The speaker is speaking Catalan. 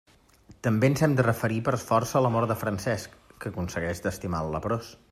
També ens hem de referir per força a l'amor de Francesc, que aconsegueix d'estimar el leprós.